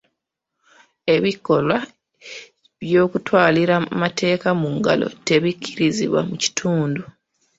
Ebikolwa by'okutwalira amateeka mu ngalo tebikkirizibwa mu kitundu.